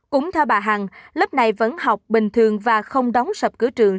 cũng theo bà hằng lớp này vẫn học bình thường và không đóng sập cửa trường